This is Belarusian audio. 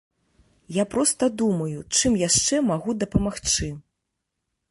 Я проста думаю, чым яшчэ магу дапамагчы.